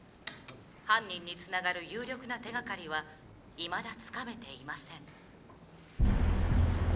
犯人につながる有力な手がかりはいまだつかめていません」。